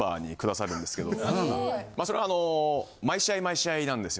まあそれはあの毎試合毎試合なんですよ。